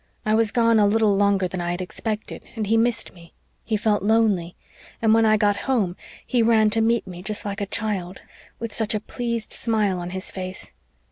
I was gone a little longer than I had expected, and he missed me. He felt lonely. And when I got home, he ran to meet me just like a child, with such a pleased smile on his face.